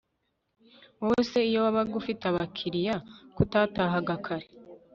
wowe se iyo wabaga ufite abakiriya kutatahaga kare